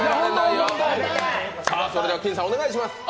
それでは、金さん、お願いします。